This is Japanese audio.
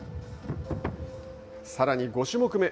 さらに５種目め。